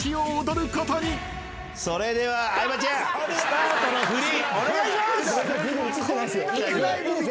それでは相葉ちゃんスタートの振りお願いします。